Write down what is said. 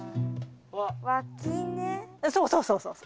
そうそうそうそうそう。